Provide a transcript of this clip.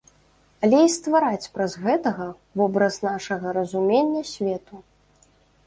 Але і ствараць праз гэтага вобраз нашага разумення свету.